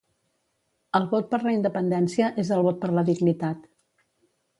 El vot per la independència és el vot per la dignitat